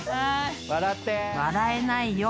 ［笑えないよ。